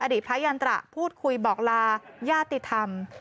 พระยันตระพูดคุยบอกลาญาติติธรรม